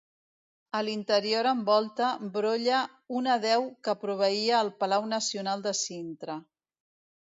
A l'interior en volta, brolla una deu que proveïa el palau Nacional de Sintra.